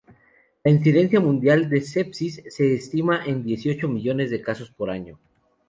La incidencia mundial de sepsis se estima en dieciocho millones de casos por año.